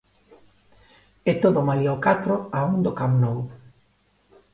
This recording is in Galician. E todo malia ao catro a un do Camp Nou.